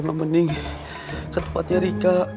mending ke tempatnya rika